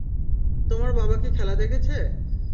তোমার বাবা কি খেলা দেখেছে?